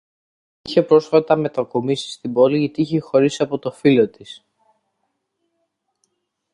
είχε πρόσφατα μετακομίσει στην πόλη γιατί είχε χωρίσει από τη φίλο της